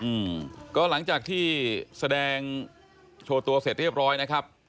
อืมก็หลังจากที่แสดงโชว์ตัวเสร็จเรียบร้อยนะครับ